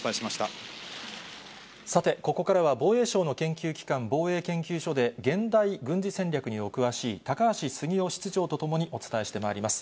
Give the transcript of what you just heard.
さてここからは防衛省の研究機関、防衛研究所で、現代軍事戦略にお詳しい、高橋杉雄室長と共にお伝えしてまいります。